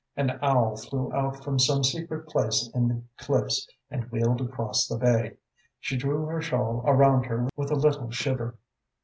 An owl flew out from some secret place in the cliffs and wheeled across the bay. She drew her shawl around her with a little shiver.